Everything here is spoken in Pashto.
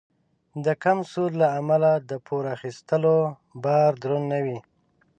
د کم سود له امله د پور اخیستلو بار دروند نه وي.